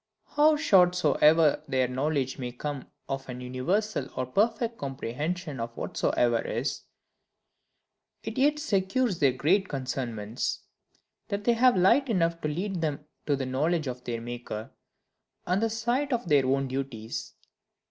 How short soever their knowledge may come of an universal or perfect comprehension of whatsoever is, it yet secures their great concernments, that they have light enough to lead them to the knowledge of their Maker, and the sight of their own duties.